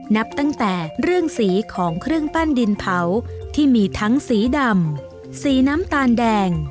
นับตั้งแต่เรื่องสีของเครื่องปั้นดินเผาที่มีทั้งสีดำสีน้ำตาลแดง